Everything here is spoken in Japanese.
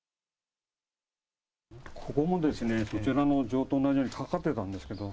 ここもですね、そちらの錠と同じようにかかっていたんですけど。